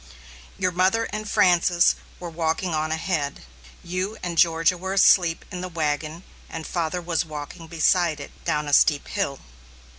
Your mother and Frances were walking on ahead; you and Georgia were asleep in the wagon; and father was walking beside it, down a steep hill.